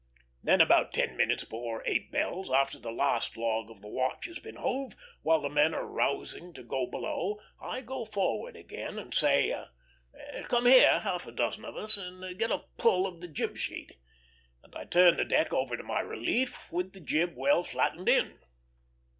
Then about ten minutes before eight bells, after the last log of the watch has been hove, while the men are rousing to go below, I go forward again and say, 'Come here, half a dozen of us, and get a pull of the jib sheet;' and I turn the deck over to my relief with the jib well flattened in."